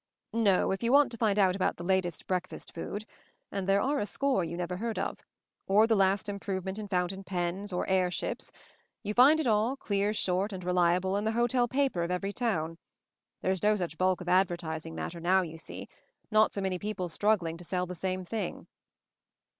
No, if you want to find out about the latest breakfast food —( and there are a score you never heard of) — or the last improvement in fountain pens or air ships — you find it all, clear, short, and re liable, in the hotel paper of every town. There's no such bulk of advertising matter now, you see ; not so many people struggling to sell the same thing."